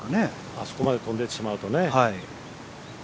あそこまで飛んでいってしまうとね。